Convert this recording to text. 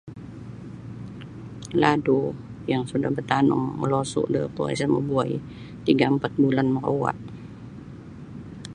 Ladu yang suda batanum molosu da kuo isa mabuai tiga apat bulan makauwa.